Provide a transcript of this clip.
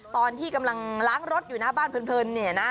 ตอนที่กำลังล้างรถอยู่หน้าบ้านเพลินเนี่ยนะ